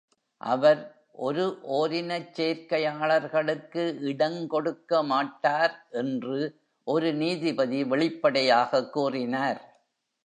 அவர் "ஒரு ஓரினச் சேர்க்கையாளர்களுக்கு இடங்கொடுக்க மாட்டார்" என்று ஒரு நீதிபதி வெளிப்படையாக கூறினார்.